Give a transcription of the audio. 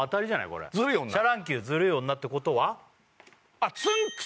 これシャ乱Ｑ「ズルい女」ってことは？